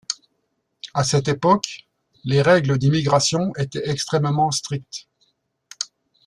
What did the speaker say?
À cette époque, les règles d’immigration étaient extrêmement strictes.